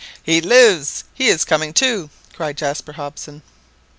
"He lives; he is coming to !" cried Jaspar Hobson.